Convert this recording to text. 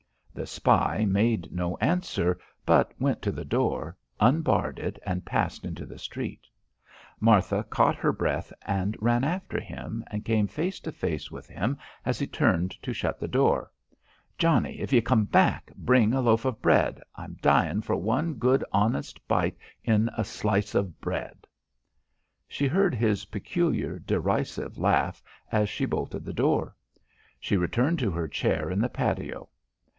The spy made no answer but went to the door, unbarred it and passed into the street. Martha caught her breath and ran after him and came face to face with him as he turned to shut the door. "Johnnie, if ye come back, bring a loaf of bread. I'm dyin' for one good honest bite in a slice of bread." She heard his peculiar derisive laugh as she bolted the door. She returned to her chair in the patio.